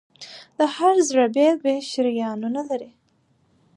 د هر زړه بېل بېل شریانونه لري.